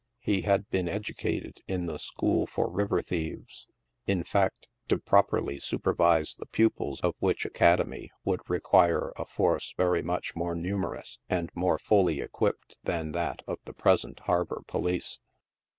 He had been educated in the school for river thieves ; in fact, to properly supervise the pupils of which academy, would require a force very much more numer ous and more fully equipped than that of the present harbor po lice.